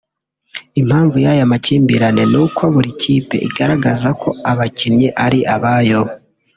Impamvu y’aya makimbirane ni uko buri kipe igaragaza ko abakinnyi ari abyo